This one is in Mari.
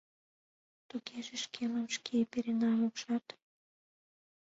— Тугеже шкемым шке перенам, ужат?